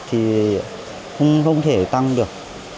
thì không thể tăng được